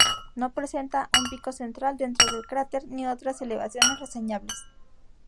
No presenta un pico central dentro del cráter, ni otras elevaciones reseñables.